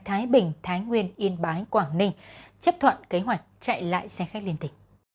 thái bình thái nguyên yên bái quảng ninh chấp thuận kế hoạch chạy lại xe khách liên tỉnh